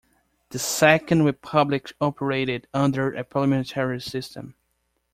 The Second Republic operated under a parliamentary system.